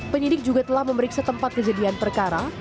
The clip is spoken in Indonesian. penyidik juga telah memeriksa tempat kejadian perkara